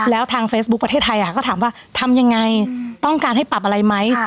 แล้วทางเฟซบุ๊คประเทศไทยก็ถามว่าทำยังไงต้องการให้ปรับอะไรไหม